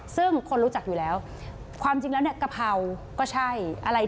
ซึ่งคนรู้จักอยู่แล้วความจริงแล้วเนี่ยกะเพราก็ใช่อะไร